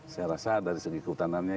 saya rasa dari segi kehutanannya